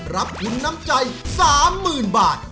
รับทุนน้ำใจ๓๐๐๐บาท